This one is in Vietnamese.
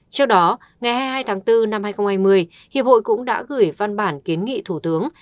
trước đó ngày hai mươi hai tháng bốn năm hai nghìn hai mươi hiệp hội cũng đã gửi văn bản kiến nghị thủ tướng